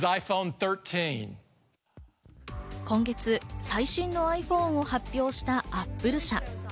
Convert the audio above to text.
今月、最新のｉＰｈｏｎｅを発表したＡｐｐｌｅ社。